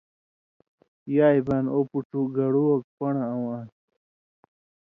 یائے بانیۡ ”او پُڇُو گڑُو اوک پن٘ڑہۡ اؤں آن٘س،